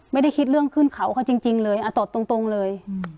ไม่ได้คิดเรื่องขึ้นเขาเขาจริงเลยตอบตรงเลย